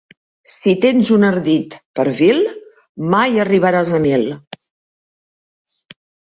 Si tens un ardit per vil, mai arribaràs a mil.